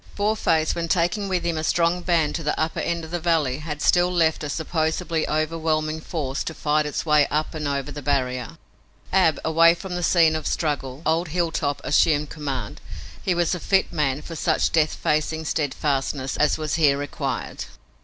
Boarface, when taking with him a strong band to the upper end of the valley, had still left a supposably overwhelming force to fight its way up and over the barrier. Ab away from the scene of struggle, old Hilltop assumed command. He was a fit man for such death facing steadfastness as was here required.